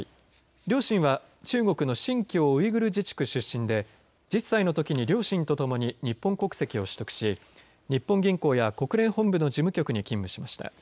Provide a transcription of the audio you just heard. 両親は中国の新疆ウイグル自治区出身で１０歳のときに両親とともに日本国籍を取得し日本銀行や国連本部の事務局に勤務しました。